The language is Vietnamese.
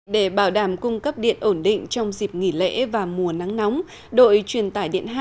để bảo đảm cung cấp điện ổn định trong dịp nghỉ lễ và mùa nắng nóng đội truyền tải điện hai